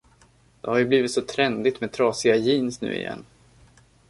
Det har ju blivit så trendigt med trasiga jeans nu igen.